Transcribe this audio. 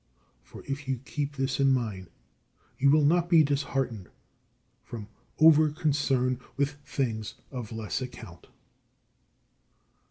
For if you keep this in mind you will not be disheartened from over concern with things of less account.